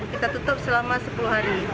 kita tutup selama sepuluh hari